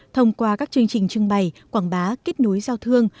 thông qua các chương trình trưng bày quảng bá kết nối giao thương